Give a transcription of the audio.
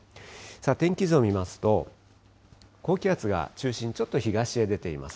天気図を見ますと、高気圧が中心、ちょっと東へ出ています。